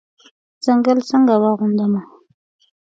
ځنګل څنګه واغوندمه